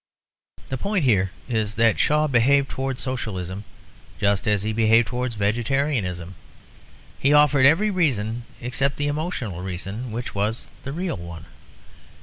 The point here is that Shaw behaved towards Socialism just as he behaved towards vegetarianism; he offered every reason except the emotional reason, which was the real one.